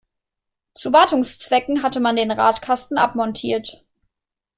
Zu Wartungszwecken hatte man den Radkasten abmontiert.